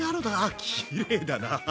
あきれいだな。